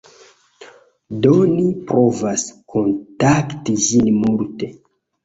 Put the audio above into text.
Do ni provas kontakti ĝin multe